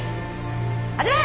始め！